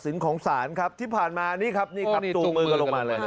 ของศาลครับที่ผ่านมานี่ครับนี่ครับจูงมือกันลงมาเลย